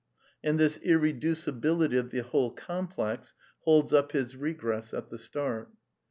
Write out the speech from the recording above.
And this irreduci bility of the whole complex holds up his regress at the start.